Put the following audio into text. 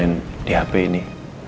yang ada di hp ini